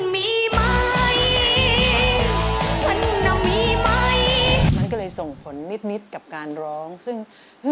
มันก็เลยส่งผลนิดกับการร้องซึ่ง